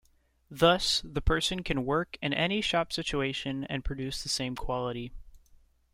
Thus, the person can work in any shop situation and produce the same quality.